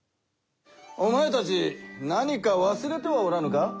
おまえたち何かわすれてはおらぬか。